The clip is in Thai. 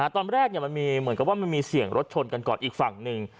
ตอนแรกมันมีเหมือนกับว่ามันมีเสียงรถชนกันก่อนอีกฝั่งหนึ่ง